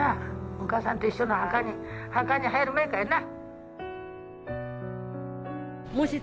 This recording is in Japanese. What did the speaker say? お母さんと一緒の墓に墓に入るまいかいな。